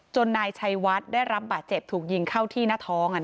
นายชัยวัดได้รับบาดเจ็บถูกยิงเข้าที่หน้าท้อง